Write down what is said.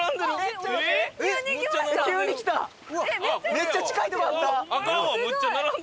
めっちゃ近いとこあった！